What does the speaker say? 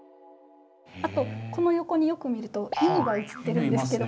あとこの横によく見ると犬が写ってるんですけども。